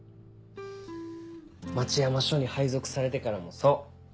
町山署に配属されてからもそう。